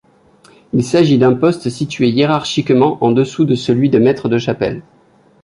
Il s'agit d'un poste situé hiérarchiquement en dessous de celui de maître de chapelle.